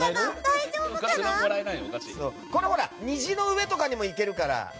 これ、虹の上とかにも行けるから。